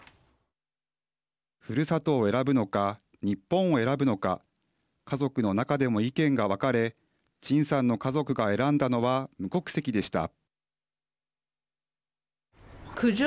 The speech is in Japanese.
ふるさとを選ぶのか日本を選ぶのか家族の中でも意見が分かれ陳さんの家族が選んだのは無国籍でした。